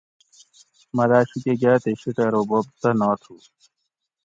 مٞہ داٞ شی کٞہ گاٞ تے شِیٹہ ارو بوب تہ ناتھُو